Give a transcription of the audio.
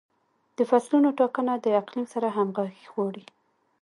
د فصلونو ټاکنه د اقلیم سره همغږي غواړي.